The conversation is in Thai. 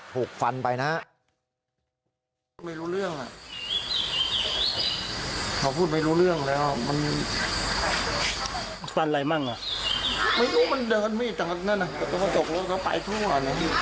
ถูกฟันไปนะฮะ